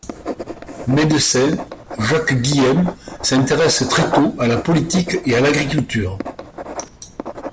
Médecin, Jacques Guilhem s'intéresse très tôt à la politique et à l'agriculture.